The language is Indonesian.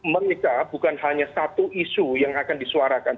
mereka bukan hanya satu isu yang akan disuarakan